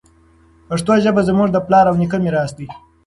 پښتو ژبه زموږ د پلار او نیکه میراث دی.